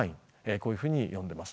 こういうふうに呼んでいます。